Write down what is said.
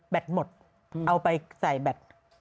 หมดเอาไปใส่แบต